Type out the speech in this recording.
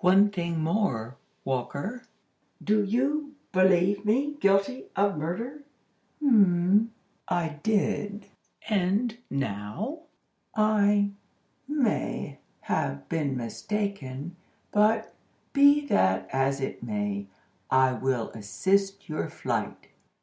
"One thing more, Walker: do you believe me guilty of murder?" "H'm—I did." "And now?" "I may have been mistaken. But, be that as it may, I will assist your flight."